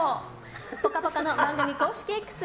「ぽかぽか」の番組公式Ｘ